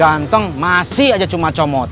ganteng masih aja cuma comot